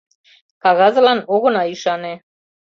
Кагазлан огына ӱшане».